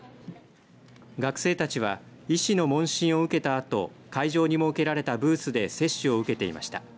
学生たちは医師の問診を受けたあと会場に設けられたブースで接種を受けていました。